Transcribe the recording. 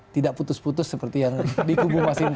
tidak putus putus seperti yang di kubu mas indra